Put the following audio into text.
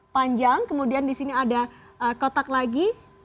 panjang kemudian di sini ada kotak lagi